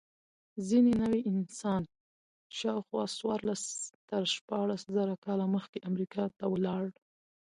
ځینې نوعې انسان شاوخوا څوارلس تر شپاړس زره کاله مخکې امریکا ته ولاړ.